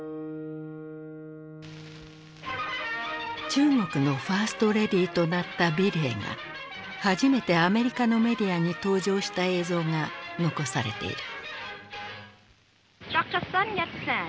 中国のファーストレディーとなった美齢が初めてアメリカのメディアに登場した映像が残されている。